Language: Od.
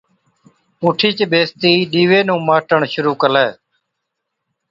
اُٺِيچ ٻيستِي ڏِيوي نُون مهٽڻ شرُوع ڪلَي۔